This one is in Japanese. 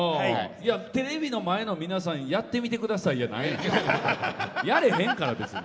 テレビの前の皆さんやってみてくださいじゃないのよ。